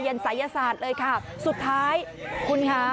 ศัยศาสตร์เลยค่ะสุดท้ายคุณคะ